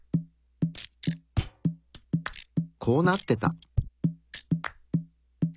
こうなってた。